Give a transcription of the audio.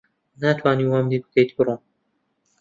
ناتوانی وام لێ بکەیت بڕۆم.